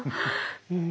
うん。